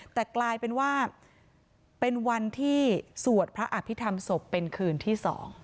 แต่กลายเป็นว่าเป็นวันที่สวดพระอภิษฐรรมศพเป็นคืนที่๒